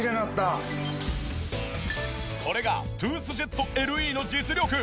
これがトゥースジェットＬＥの実力。